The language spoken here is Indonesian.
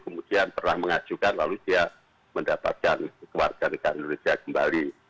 kemudian pernah mengajukan lalu dia mendapatkan kewarganegaraan indonesia kembali